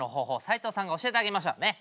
斎藤さんが教えてあげましょうね。